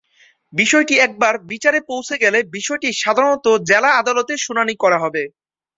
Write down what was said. বিষয়টি একবার বিচারে পৌঁছে গেলে বিষয়টি সাধারণত জেলা আদালতে শুনানি করা হবে।